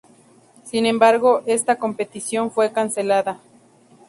Sin embargo, esta competición fue cancelada.